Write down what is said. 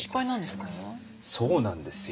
そうなんですよ。